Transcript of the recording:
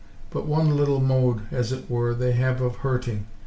But one little mode, as it were, they have of hurting.